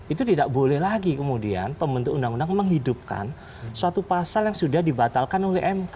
itu tidak boleh lagi kemudian pembentuk undang undang menghidupkan suatu pasal yang sudah dibatalkan oleh mk